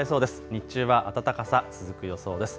日中は暖かさ、続く予想です。